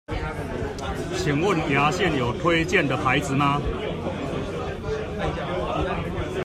請問牙線有推薦的牌子嗎？